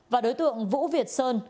và đối tượng vũ việt sơn